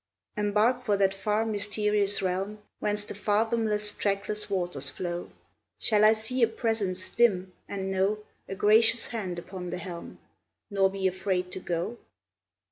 Embark for that far mysterious realm, Whence the fathomless, trackless waters flow. Shall I see a Presence dim, and know A Gracious Hand upon the helm, Nor be afraid to go?